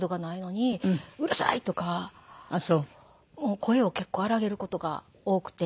声を結構荒らげる事が多くて。